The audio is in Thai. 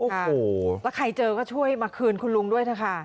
แล้วใครเจอก็ช่วยมาคืนคุณลุงด้วยนะค่ะ